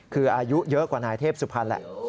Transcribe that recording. คืออายุเยอะกว่านายเทพสุพรรณแหละ